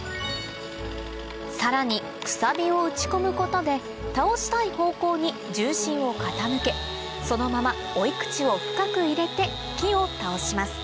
さらにクサビを打ち込むことで倒したい方向に重心を傾けそのまま追い口を深く入れて木を倒します